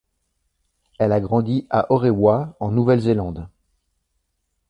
Elle a grandi à Orewa en Nouvelle-Zélande.